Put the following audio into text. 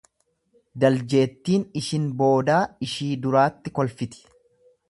Daljeettiin ishin boodaa ishii duraatti kolfiti.